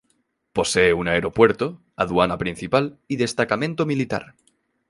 Posee un aeropuerto, aduana principal y destacamento militar.